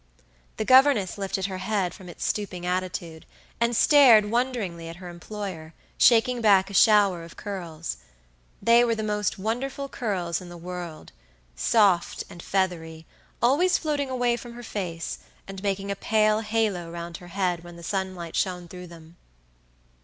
The governess lifted her head from its stooping attitude, and stared wonderingly at her employer, shaking back a shower of curls. They were the most wonderful curls in the worldsoft and feathery, always floating away from her face, and making a pale halo round her head when the sunlight shone through them.